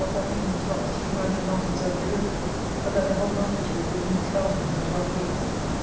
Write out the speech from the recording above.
41 Parthenia was lost, he counted not himself delivered, but that the whole multitude would needs guard him into Arcadia.